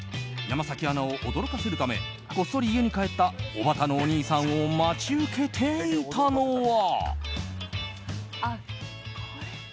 山崎アナを驚かせるためこっそり家に帰ったおばたのお兄さんを待ち受けていたのは。